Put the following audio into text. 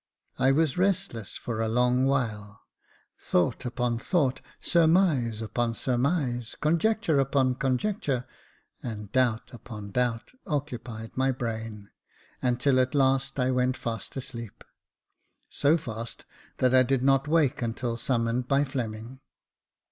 I was restless for a long while ; thought upon thought, surmise upon surmise, conjecture upon conjecture, and doubt upon doubt, occupied my brain, until at last I went fast asleep — so fast, that I did not wake until summoned by Fleming.